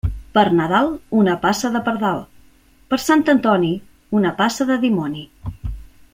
Per Nadal, una passa de pardal; per Sant Antoni, una passa de dimoni.